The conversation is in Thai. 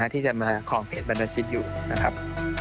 ที่จะมาคลองเพจบรรดาชิตอยู่นะครับ